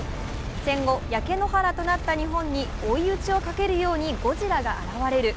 戦後、焼け野原となった日本に追い打ちをかけるようにゴジラが現れる。